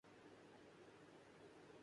اپنے اختلافات کو بھلا دو۔